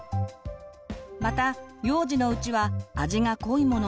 また幼児のうちは味が濃いもの